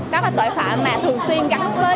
các tội phạm mà thường xuyên gắn với